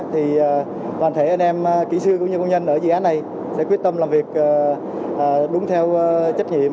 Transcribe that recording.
thì toàn thể anh em kỹ sư cũng như quân nhân ở dự án này sẽ quyết tâm làm việc đúng theo trách nhiệm